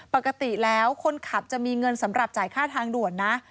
ปกติแล้วคนขับจะมีเงินสำหรับจ่ายค่าทางด่วนนะ